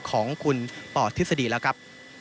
ของคุณป่อทฤษฎีแล้วครับ